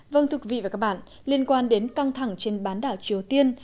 vâng thưa quý vị và các bạn liên quan đến căng thẳng trên bán đảo triều tiên